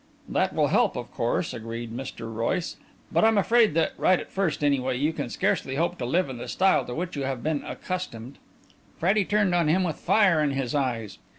"That will help, of course," agreed Mr. Royce. "But I'm afraid that, right at first, anyway, you can scarcely hope to live in the style to which you have been accustomed." Freddie turned on him with fire in his eyes.